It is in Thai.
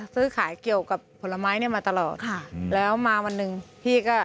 ซื้อขายเกี่ยวกับผลไม้เนี่ยมาตลอดค่ะแล้วมาวันหนึ่งพี่ก็